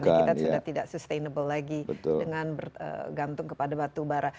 kita sudah tidak sustainable lagi dengan bergantung kepada batubara